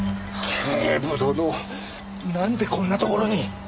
警部殿なんでこんなところに？